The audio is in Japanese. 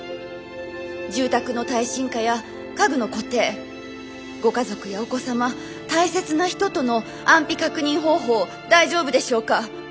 住宅の耐震化や家具の固定ご家族やお子様大切な人との安否確認方法大丈夫でしょうか。